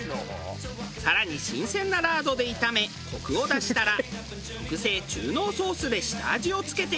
更に新鮮なラードで炒めコクを出したら特製中濃ソースで下味を付けていく。